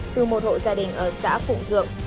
từ một hộ gia đình ở xã phụng thượng